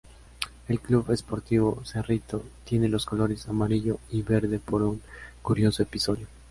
El Club Sportivo Cerrito, tiene los colores amarillo y verde por un curioso episodio.